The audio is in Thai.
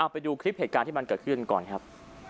ไปดูคลิปเหตุการณ์ที่มันเกิดขึ้นก่อนครับ